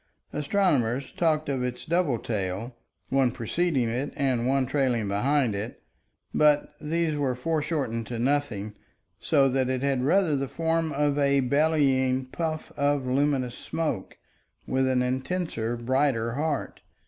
Astronomers talked of its double tail, one preceding it and one trailing behind it, but these were foreshortened to nothing, so that it had rather the form of a bellying puff of luminous smoke with an intenser, brighter heart.